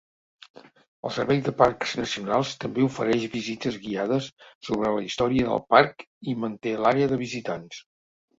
El servei de parcs nacionals també ofereix visites guiades sobre la història del parc i manté l'àrea de visitants.